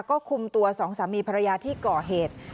ก็คุมตัว๒สามีภรรยาที่เกาะเหตุ